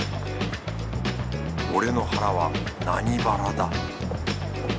俺の腹は何バラだ？